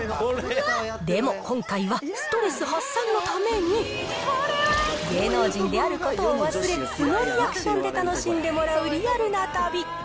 でも今回は、ストレス発散のために、芸能人であることを忘れ、素のリアクションで楽しんでもらうリアルな旅。